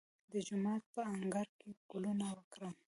د جومات په انګړ کې ګلونه وکرم؟